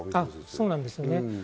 そうなんですね。